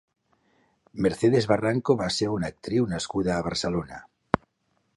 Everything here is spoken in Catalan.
Mercedes Barranco va ser una actriu nascuda a Barcelona.